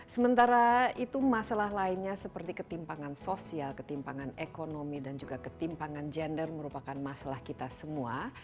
sementara itu masalah lainnya seperti ketimpangan sosial ketimpangan ekonomi dan juga ketimpangan gender merupakan masalah kita semua